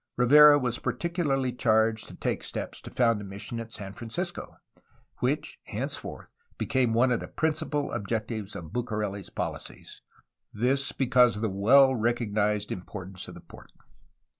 Rivera was particularly charged to take steps to found a mission at San Francisco, which henceforth became one of the principal objectives of Bucareli's policies, because of the well recog nized importance of the port.